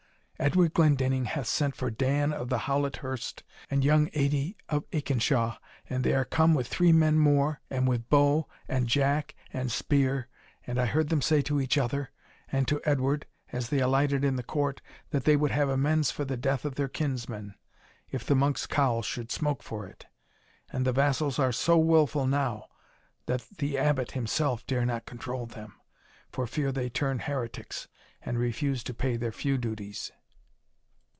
Edward Glendinning hath sent for Dan of the Howlet hirst, and young Adie of Aikenshaw, and they are come with three men more, and with bow, and jack, and spear, and I heard them say to each other, and to Edward, as they alighted in the court, that they would have amends for the death of their kinsman, if the monk's cowl should smoke for it And the vassals are so wilful now, that the Abbot himself dare not control them, for fear they turn heretics, and refuse to pay their feu duties."